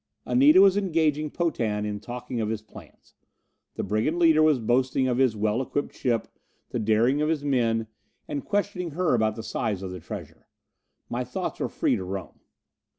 Anita was engaging Potan in talking of his plans. The brigand leader was boasting of his well equipped ship, the daring of his men, and questioning her about the size of the treasure. My thoughts were free to roam.